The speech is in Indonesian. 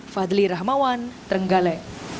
fadli rahmawan trenggale